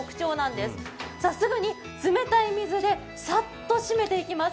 すぐに冷たい水でさっと締めていきます。